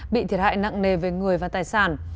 bị thiệt hại nặng nề về người và tài sản